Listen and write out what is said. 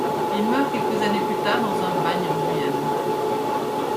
Il meurt quelques années plus tard dans un bagne en Guyane.